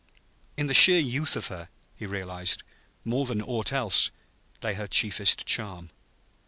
In the sheer youth of her (he realized) more than in aught else, lay her chiefest charm.